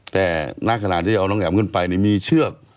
แต่ณขณะที่เอาน้องแอ๋มขึ้นไปมีเชือก